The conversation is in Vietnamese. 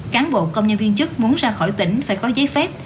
cán bộ công nhân viên chức muốn ra khỏi tỉnh phải có giấy phép